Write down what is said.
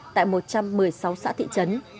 tại một trăm một mươi sáu xã thị trấn